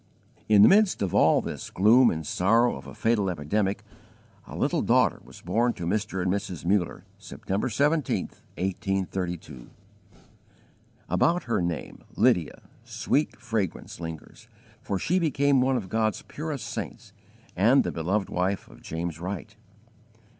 In the midst of all this gloom and sorrow of a fatal epidemic, a little daughter was born to Mr. and Mrs. Muller September 17, 1832. About her name, Lydia, sweet fragrance lingers, for she became one of God's purest saints and the beloved wife of James Wright.